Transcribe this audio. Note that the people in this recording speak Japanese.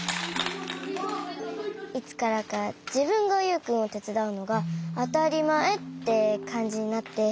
いつからかじぶんがユウくんをてつだうのがあたりまえってかんじになって。